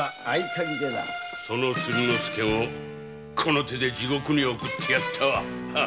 その鶴之助もこの手で地獄に送ってやった。